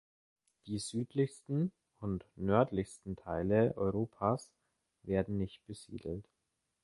Die südlichsten und nördlichsten Teile Europas werden nicht besiedelt.